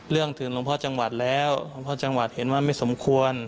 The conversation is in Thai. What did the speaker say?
ถึงหลวงพ่อจังหวัดแล้วหลวงพ่อจังหวัดเห็นว่าไม่สมควร